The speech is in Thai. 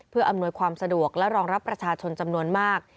เพื่ออำนวยความสะดวกและรองรับประชาชนจำนวนมาก